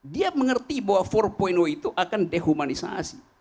dia mengerti bahwa empat itu akan dehumanisasi